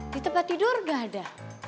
di tempat tidur gak ada